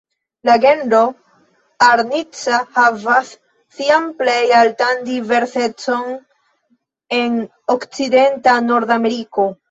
La genro "Arnica"havas sian plej altan diversecon en okcidenta Nordameriko.